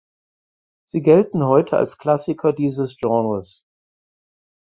Sie gelten heute als Klassiker dieses Genres.